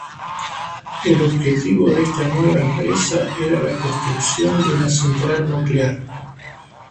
El objetivo de esta nueva empresa era la construcción de una central nuclear.